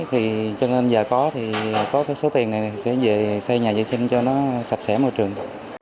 thì cho nên giờ có thì có cái số tiền này sẽ về xây nhà vệ sinh cho nó sạch sẽ môi trường